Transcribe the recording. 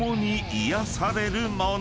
癒やされるもの。